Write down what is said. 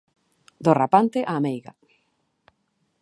Do rapante á meiga.